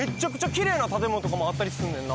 きれいな建物とかもあったりすんねんな